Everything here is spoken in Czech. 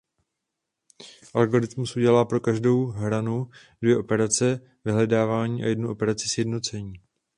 Algoritmus udělá pro každou hranu dvě operace vyhledávání a jednu operaci sjednocení.